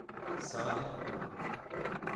سال نو